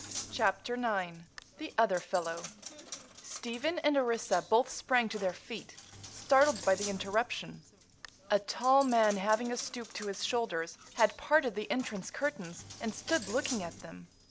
CHAPTER IX THE OTHER FELLOW Stephen and Orissa both sprang to their feet, startled by the interruption. A tall man, having a stoop to his shoulders, had parted the entrance curtains and stood looking at them.